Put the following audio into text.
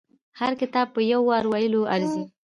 هر کتاب په يو وار ویلو ارزي.